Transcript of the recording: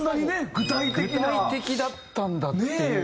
具体的だったんだっていう。